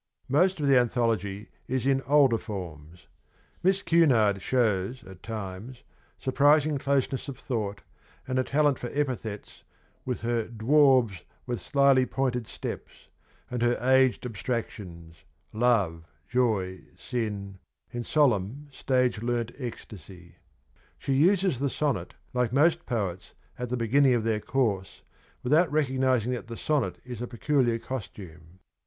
Most of the anthology is in older forms. Miss Cunard shows at times surprising closeness of thought, and a talent for epithets with her dwarfs ' with slyly pointed steps ' and her aged abstractions, Love, Joy, Sin, ' in solemn stage learnt ecstasy.' She uses the sonnet, like most poets at the begin ning of their course, without recognizing that the sonnet is a peculiar costume.